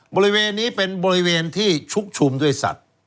บริเวณนี้เป็นบริเวณที่ชุกชุมด้วยสัตว์